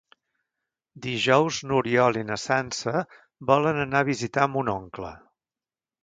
Dijous n'Oriol i na Sança volen anar a visitar mon oncle.